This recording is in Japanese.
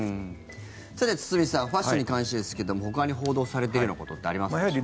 さて、堤さんファッションに関してですけどもほかに報道されているようなことってありますでしょうか。